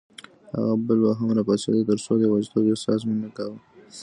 هغه بل به هم راپاڅېد، ترڅو د یوازیتوب احساس مو نه کاوه.